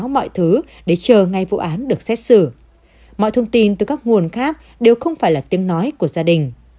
mọi thông tin từ các nguồn khác đều không phải là tiếng nói của gia đình